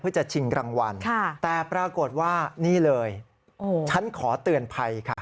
เพื่อจะชิงรางวัลแต่ปรากฏว่านี่เลยฉันขอเตือนภัยค่ะ